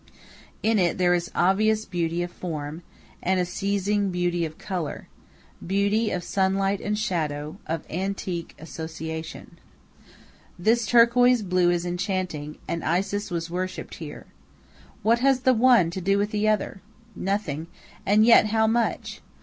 In it there is obvious beauty of form, and a seizing beauty of color, beauty of sunlight and shadow, of antique association. This turquoise blue is enchanting, and Isis was worshipped here. What has the one to do with the other? Nothing; and yet how much!